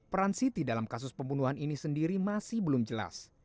peran siti dalam kasus pembunuhan ini sendiri masih belum jelas